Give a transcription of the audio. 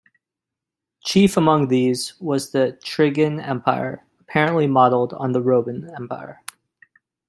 Chief among these was the Trigan Empire, apparently modelled on the Roman Empire.